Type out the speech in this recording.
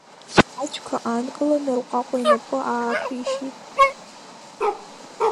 Ацәқәа аанкыланы рҟәаҟәа инапы аақәишьит.